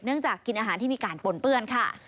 จากกินอาหารที่มีการปนเปื้อนค่ะ